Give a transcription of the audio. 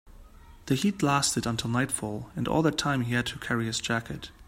The heat lasted until nightfall, and all that time he had to carry his jacket.